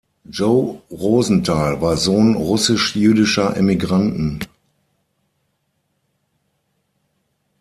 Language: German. Joe Rosenthal war Sohn russisch-jüdischer Emigranten.